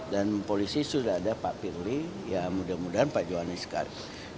dan polisi sudah ada pak pirli ya mudah mudahan pak juhani sekarang